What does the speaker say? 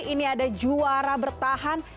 ini ada juara bertahan